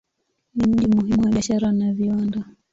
Ni mji muhimu wa biashara na viwanda.